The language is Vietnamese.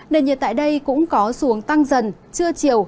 nền nhiệt tại đây cũng có xu hướng tăng dần trưa chiều